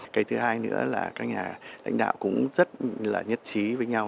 cái thứ hai nữa là các nhà lãnh đạo cũng rất là nhất trí với nhau